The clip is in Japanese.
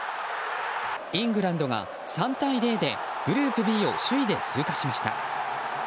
イングランドが３対０でグループＢを首位で通過しました。